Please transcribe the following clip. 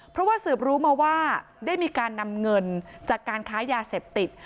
เพราะว่าสืบรู้มาว่าได้มีการนำเงินจากการค้ายาเสพติด